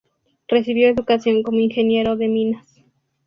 Recibió educación como ingeniero de minas.